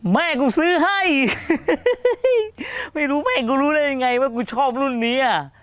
แม่กูซื้อให้ไม่รู้แม่กูรู้ได้ยังไงว่ากูชอบรุ่นนี้อ่ะ